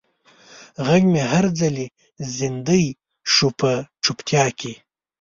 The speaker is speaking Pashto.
غږ مې هر ځلې زندۍ شو په چوپتیا کې